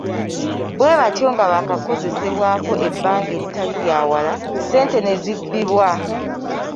Bwe batyo nga baakakozesebwako ebbanga eritaali lya wala, ssente ne zibbibwa.